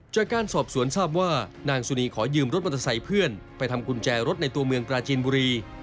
จากการสอบสวนทราบว่านางสุนีขอยืมรถมอเตอร์ไซค์เพื่อนไปทำกุญแจรถในตัวเมืองปราจีนบุรี